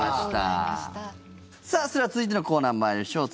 さあ、それでは続いてのコーナー参りましょう。